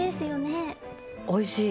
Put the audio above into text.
おいしい。